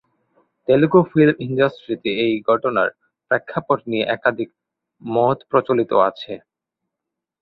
Telugu film ইন্ডাস্ট্রিতে এই ঘটনার প্রেক্ষাপট নিয়ে একাধিক মত প্রচলিত আছে।